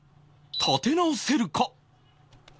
立て直せるか？